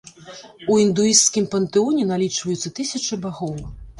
У індуісцкім пантэоне налічваюцца тысячы багоў.